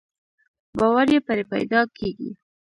باور يې پرې پيدا کېږي.